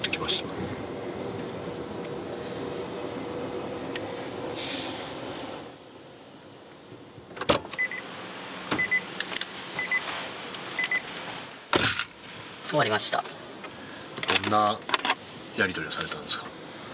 どんなやり取りをされたんですか？